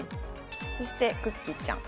そしてクッキーちゃん。